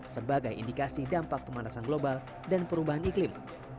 sebagai indikasi dampak pemanasan global dan perubahan iklim